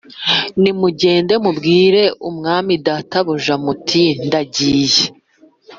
Nimugende mumbwirire umwami databuja muti ndagiye